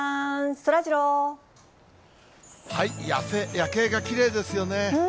夜景がきれいですよね。